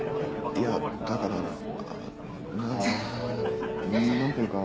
いやだから何ていうか。